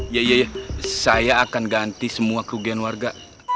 iya iya iya saya akan ganti semua kerugian warga